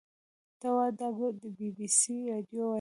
ته وا دا به د بي بي سي راډيو وه.